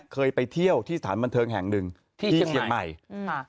เคยไปเที่ยวที่สถานบันเทิงแห่งหนึ่งที่เชียงใหม่อืม